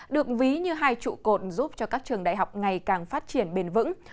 được ví như hai trụ cột giúp cho các trường đại học ngày càng phát triển bền vững